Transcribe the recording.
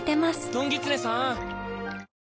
どんぎつねさーん！